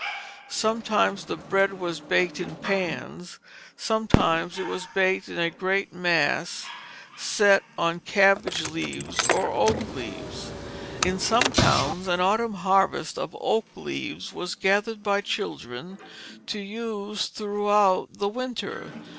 Sometimes the bread was baked in pans, sometimes it was baked in a great mass set on cabbage leaves or oak leaves. In some towns an autumn harvest of oak leaves was gathered by children to use throughout the winter.